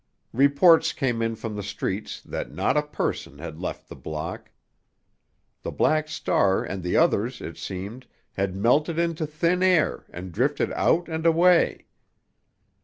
Reports came in from the streets that not a person had left the block. The Black Star and the others, it seemed, had melted into thin air and drifted out and away.